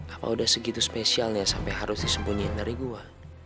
apa udah segitu spesialnya sampai harus disembunyi dari gue